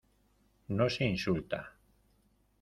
no se insulta.